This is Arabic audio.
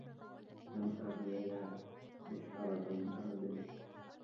كم أعيا بحرب أعزل